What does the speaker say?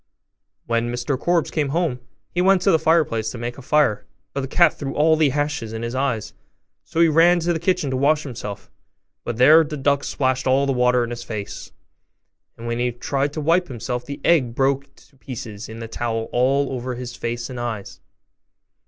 When Mr Korbes came home, he went to the fireplace to make a fire; but the cat threw all the ashes in his eyes: so he ran to the kitchen to wash himself; but there the duck splashed all the water in his face; and when he tried to wipe himself, the egg broke to pieces in the towel all over his face and eyes.